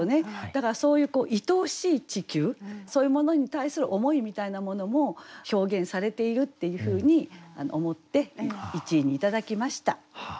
だからそういういとおしい地球そういうものに対する思いみたいなものも表現されているっていうふうに思って１位にいただきました。